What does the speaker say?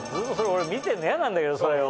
見てるの嫌なんだけどそれを。